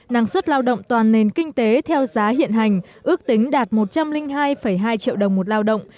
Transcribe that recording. năng suất lao động toàn nền kinh tế theo giá hiện hành ước tính đạt một trăm linh hai hai triệu đồng một lao động